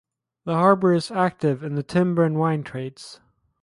The harbour is active in the timber and wine trades.